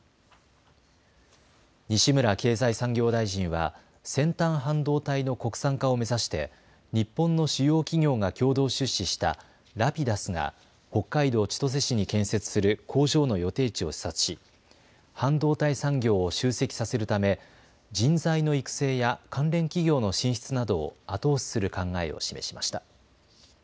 西村経済産業大臣は先端半導体の国産化を目指して日本の主要企業が共同出資したＲａｐｉｄｕｓが北海道千歳市に建設する工場の予定地を視察し半導体産業を集積させるため人材の育成や関連企業の進出などを後押しする考えを示しました。